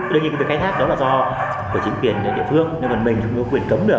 tuy nhiên cái khai thác đó là do của chính quyền địa phương nếu mà mình cũng có quyền cấm được